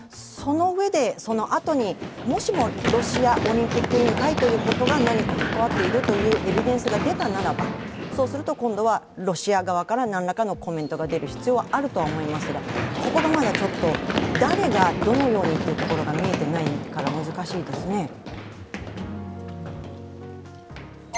そのうえで、そのあとにもしもロシアオリンピック委員会が何か関わっているというエビデンスが出たならば、そうすると今度は、ロシア側から何らかのコメントが出る必要があるとは思いますが、ここがまだちょっと、誰がどのようにというところが見えていないから難しいですね。